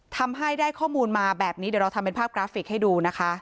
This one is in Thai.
ทำให้ได้ข้อมูลมาแบบนี้เดี๋ยวเราทำเป็นภาพกราฟิกให้ดูนะคะ